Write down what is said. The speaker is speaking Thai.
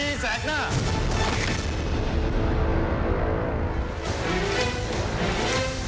ชวิตตีแสกหน้า